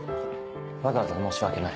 わざわざ申し訳ない。